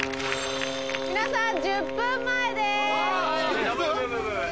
皆さん１０分前です。